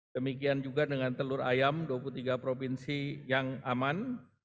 demikian juga dengan telur ayam dua puluh tiga provinsi yang aman